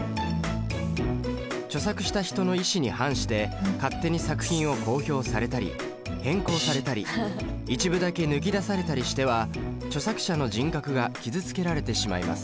著作した人の意思に反して勝手に作品を公表されたり変更されたり一部だけ抜き出されたりしては著作者の人格が傷つけられてしまいます。